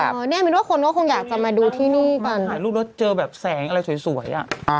ครับอ๋อนี่มันว่าคนก็คงอยากจะมาดูที่นี่กันอ๋อมาหาลูกรถเจอแบบแสงอะไรสวยอ่ะ